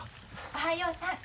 おはようさん。